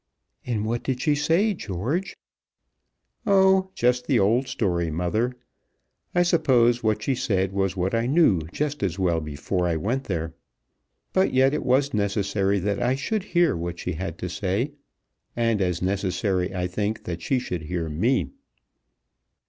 "And what did she say, George?" "Oh; just the old story, mother, I suppose. What she said was what I knew just as well before I went there. But yet it was necessary that I should hear what she had to say; and as necessary I think that she should hear me."